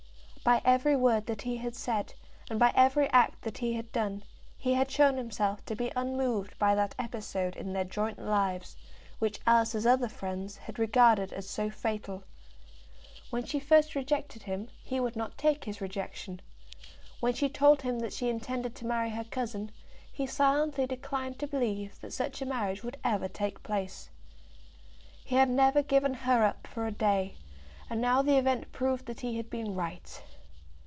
By every word that he had said, and by every act that he had done, he had shown himself to be unmoved by that episode in their joint lives, which Alice's other friends had regarded as so fatal. When she first rejected him, he would not take his rejection. When she told him that she intended to marry her cousin, he silently declined to believe that such marriage would ever take place. He had never given her up for a day, and now the event proved that he had been right.